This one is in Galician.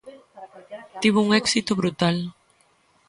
Tivo un éxito brutal.